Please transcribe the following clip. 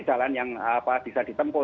jalan yang bisa ditempuh